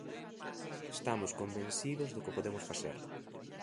Estamos convencidos de que o podemos facer.